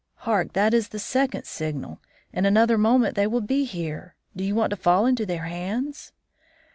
Hark, that is the second signal! In another moment they will be here. Do you want to fall into their hands?'